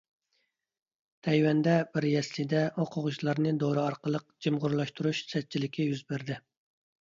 تەيۋەندە بىر يەسلىدە ئوقۇغۇچىلارنى دورا ئارقىلىق جىمىغۇرلاشتۇرۇش سەتچىلىكى يۈز بەردى.